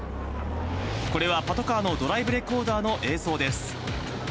これはパトカーのドライブレコーダーの映像です。